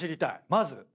まず。